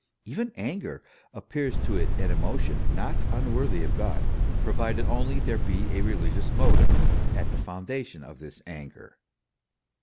Even anger appears to it an emotion not unworthy of God, provided only there he a reli gious motive at the foundation of this anger.